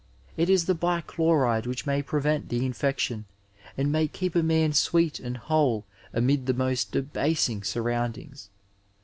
It is the bichloride which may prevent the infection and may keep a man sweet and whole amid the most debasing surroundings.